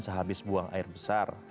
sehabis buang air besar